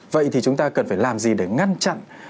vậy thì chúng ta cần phải làm gì để ngăn chặn